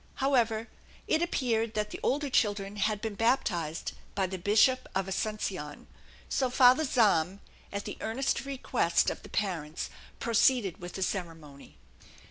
However, it appeared that the older children had been baptized by the Bishop of Asuncion, so Father Zahm at the earnest request of the parents proceeded with the ceremony.